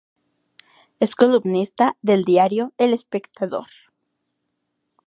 Es columnista del diario El Espectador.